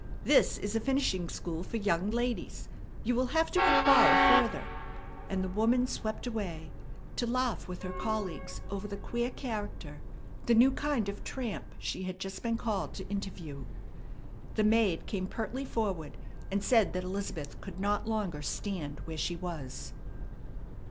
This is a finishing school for young ladies. You will have to inquire further," and the woman swept away to laugh with her colleagues over the queer character, the new kind of tramp, she had just been called to interview. The maid came pertly forward, and said that Elizabeth could not longer stand where she was.